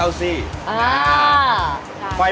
ขอบคุณครับ